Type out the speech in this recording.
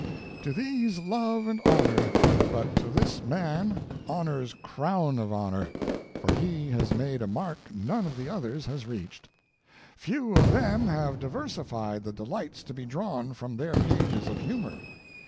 "To these love and honor. But to this man honor's crown of honor, for he has made a mark none of the others has reached. Few of them have diversified the delights to be drawn from their pages of humor.